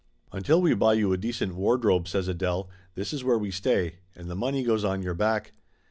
"Until we buy you a decent wardrobe," says Adele, "this is where we stay, and the money goes on your back.